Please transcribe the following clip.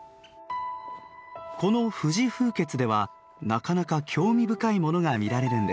この富士風穴ではなかなか興味深いものが見られるんです。